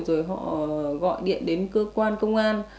rồi họ gọi điện đến cơ quan công an